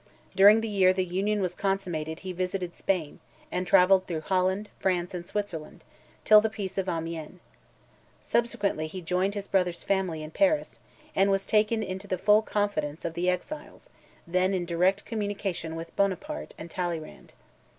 During the year the Union was consummated he visited Spain, and travelled through Holland, France, and Switzerland, till the peace of Amiens. Subsequently he joined his brother's family in Paris, and was taken into the full confidence of the exiles, then in direct communication with Buonaparte and Talleyrand.